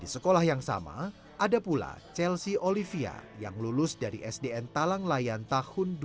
selamat pagi atta